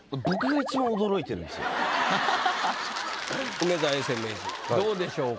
梅沢永世名人どうでしょうか